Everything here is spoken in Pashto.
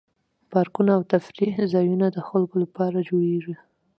پارکونه او تفریح ځایونه د خلکو لپاره جوړیږي.